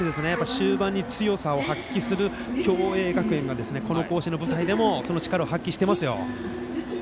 終盤に強さを発揮する共栄学園がこの甲子園の舞台でもその力を発揮していますよ。